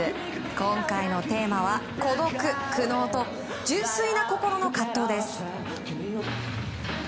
今回のテーマは孤独・苦悩と純粋な心の葛藤です。